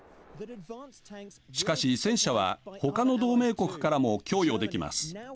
しかし戦車は他の同盟国からも供与できます。